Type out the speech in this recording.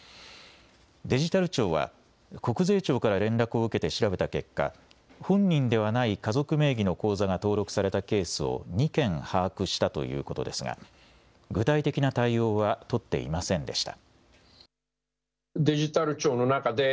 デジタル庁は、国税庁から連絡を受けて調べた結果、本人ではない家族名義の口座が登録されたケースを２件把握したということですが、具体的な対応は取っていませんでした。